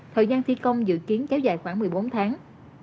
thời gian thi công dự kiến kéo dài khoảng một mươi bốn tháng